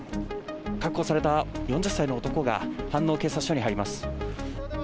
確保された４０歳の男が飯能警察署に入ります。